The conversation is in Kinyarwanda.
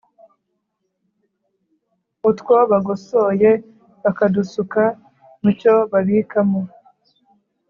Utwo bagosoye bakadusuka mu cyo babikamo,